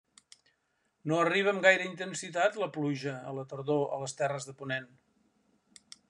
No arriba amb gaire intensitat la pluja a la tardor a les terres de ponent.